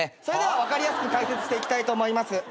それでは分かりやすく解説していきたいと思います。